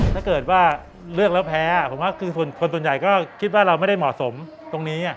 ถ้าเกิดว่าเลือกแล้วแพ้ผมว่าคือคนส่วนใหญ่ก็คิดว่าเราไม่ได้เหมาะสมตรงนี้